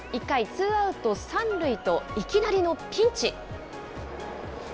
ツーアウト３塁といきなりのピンチ。